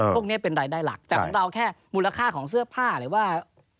พวกนี้เป็นรายได้หลักแต่ของเราแค่มูลค่าของเสื้อผ้าหรือว่า